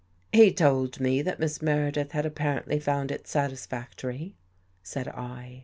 " He told me that Miss Meredith had apparently found it satisfactory," said I.